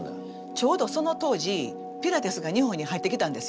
ちょうどその当時ピラティスが日本に入ってきたんですよ。